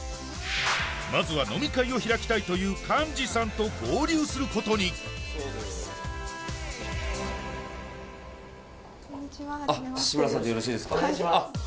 まずは飲み会を開きたいという幹事さんと合流することにこんにちははじめまして志村さんでよろしいですか？